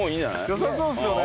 よさそうですよね。